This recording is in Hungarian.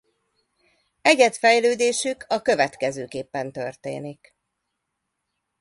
Egyedfejlődésük a következőképpen történik.